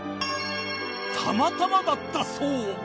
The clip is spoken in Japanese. たまたまだったそう